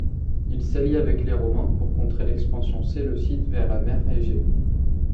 Il s'allie avec les Romains pour contrer l'expansion séleucide vers la mer Égée.